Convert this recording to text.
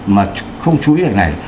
mà không chú ý được này